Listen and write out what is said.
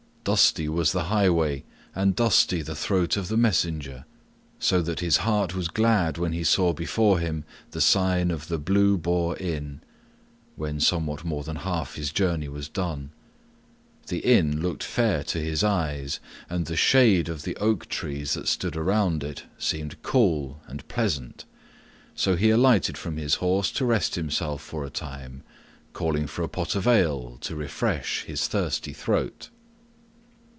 Dusty was the highway and dusty the throat of the messenger, so that his heart was glad when he saw before him the Sign of the Blue Boar Inn, when somewhat more than half his journey was done. The inn looked fair to his eyes, and the shade of the oak trees that stood around it seemed cool and pleasant, so he alighted from his horse to rest himself for a time, calling for a pot of ale to refresh his thirsty throat.